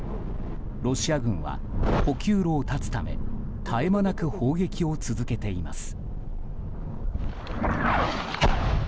ロシア軍が補給路を断つため絶え間なく砲撃を続けています。